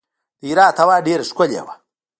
د هرات هوا ډیره ښکلې وه.